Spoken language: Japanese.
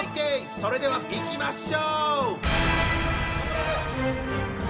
それではいきましょう！